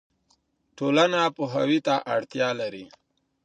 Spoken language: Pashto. ټولنه پوهاوي ته اړتیا لري.